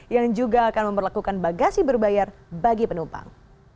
yang juga akan memperlakukan bagasi berbayar bagi penumpang